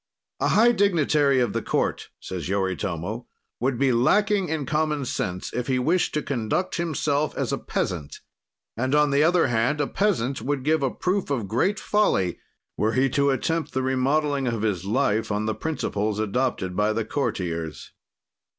"A high dignitary of the court," says Yoritomo, "would be lacking in common sense if he wished to conduct himself as a peasant and, on the other hand, a peasant would give a proof of great folly were he to attempt the remodeling of his life on the principles adopted by courtiers.